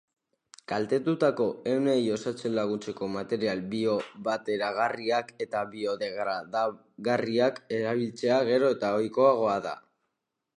Kaltetutako ehunei osatzen laguntzeko material biobateragarriak eta biodegradagarriak erabiltzea gero eta ohikoagoa da.